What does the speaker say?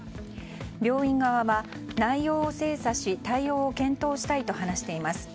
病院側は、内容を精査し対応を検討したいと話しています。